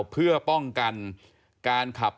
ก็ต้องมาถึงจุดตรงนี้ก่อนใช่ไหม